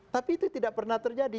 tapi itu tidak pernah terjadi